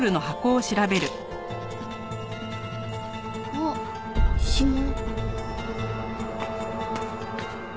あっ指紋！